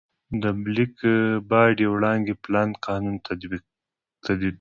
د بلیک باډي وړانګې پلانک قانون تعقیبوي.